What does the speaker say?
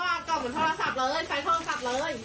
เก่าเหมือนโทรศัพท์เลยใช้โทรศัพท์เลย